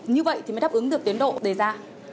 như vậy thì mới đáp ứng được tiến độ đề ra